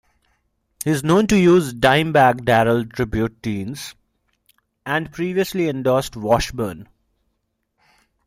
He is known to use Dimebag Darrell tribute Deans and previously endorsed Washburn.